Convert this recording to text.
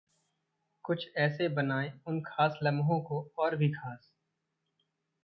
कुछ ऐसे बनाएं उन खास लम्हों को और भी खास